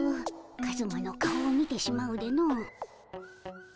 カズマの顔を見てしまうでの。